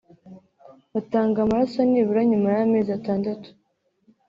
batanga amaraso nibura nyuma y’amezi atandatu